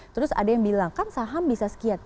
terus ada yang bilang kan saham bisa sekian